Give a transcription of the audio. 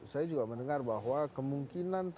saya juga mendengar bahwa kemungkinan